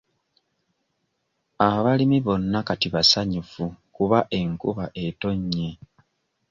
Abalimi bonna kati basanyufu kuba enkuba etonnye.